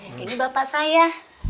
iya ini bapak sisi pak rete